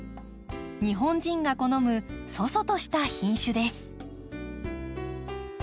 日本人が好む楚々とした品種です。